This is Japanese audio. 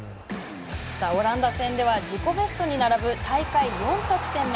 オランダ戦では自己ベストに並ぶ大会４得点目。